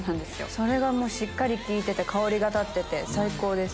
それがしっかり効いてて香りが立ってて最高です。